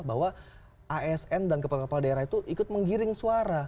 bahwa asn dan kepala kepala daerah itu ikut menggiring suara